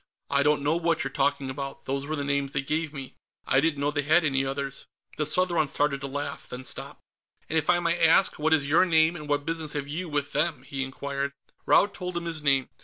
"I don't know what you're talking about. Those were the names they gave me; I didn't know they had any others." The Southron started to laugh, then stopped. "And if I may ask, what is your name, and what business have you with them?" he inquired. Raud told him his name.